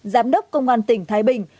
giám đốc công an tỉnh thái bình